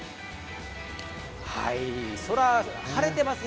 空が晴れていますね。